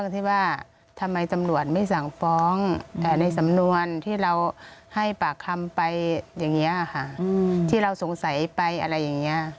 ที่ว่าทำไมตำรวจไม่สั่งฟ้องในสำนวนที่เราให้ปากคำไปอย่างนี้ค่ะที่เราสงสัยไปอะไรอย่างนี้